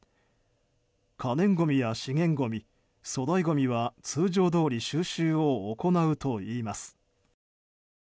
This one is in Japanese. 可燃ごみや資源ごみ、粗大ごみは通常どおり収集を行うといいます。